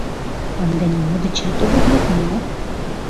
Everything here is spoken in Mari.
Ынде нимо дечат огыт лӱд мо?